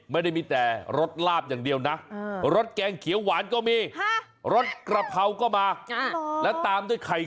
ไม่ได้มีแต่รสลาบอย่างเดียวนะรสแกงเขียวหวานก็มีรสกระเพาก็มา